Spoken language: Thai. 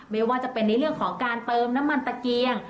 ไม่ว่าจะเป็นในเรื่องของการเติมน้ำมันตะเกียง